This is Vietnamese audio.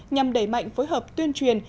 nhằm đẩy mạnh phối hợp tuyên truyền